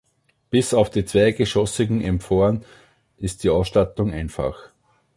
Bis auf die zweigeschossigen Emporen ist die Ausstattung einfach.